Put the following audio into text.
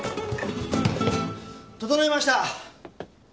整いました。